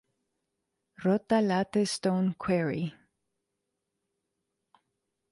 Rota Latte Stone Quarry